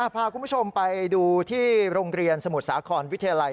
พาคุณผู้ชมไปดูที่โรงเรียนสมุทรสาครวิทยาลัย